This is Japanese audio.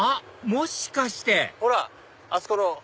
もしかしてほらあそこの。